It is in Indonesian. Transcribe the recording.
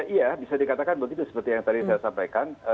iya bisa dikatakan begitu seperti yang tadi saya sampaikan